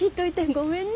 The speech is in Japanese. ごめんね。